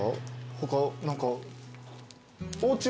他何か。